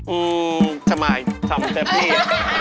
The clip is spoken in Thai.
อืมทำไมทำเต็มที่